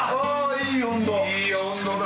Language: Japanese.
いい温度だ